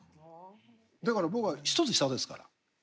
だから僕は１つ下ですから。